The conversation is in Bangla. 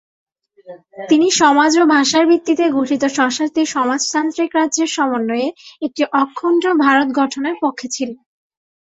তিনি সমাজ ও ভাষার ভিত্তিতে গঠিত স্বশাসিত সমাজতান্ত্রিক রাজ্যের সমন্বয়ে একটি অখণ্ড ভারত গঠনের পক্ষে ছিলেন।